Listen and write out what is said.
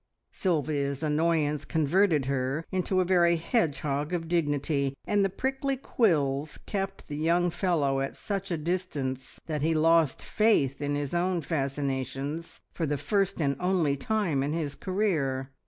Sylvia's annoyance converted her into a very hedgehog of dignity, and the prickly quills kept the young fellow at such a distance that he lost faith in his own fascinations for the first and only time in his career.